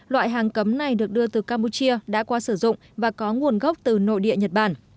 loại hàng cấm này được đưa từ campuchia đã qua sử dụng và có nguồn gốc từ nội địa nhật bản